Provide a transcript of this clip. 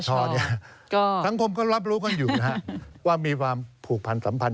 สังคมก็รับรู้กันอยู่นะฮะว่ามีความผูกพันสัมพันธ